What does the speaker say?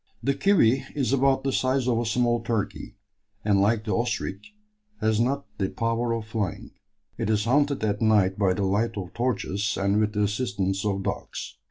The "kiwi" is about the size of a small turkey, and, like the ostrich, has not the power of flying. It is hunted at night by the light of torches and with the assistance of dogs.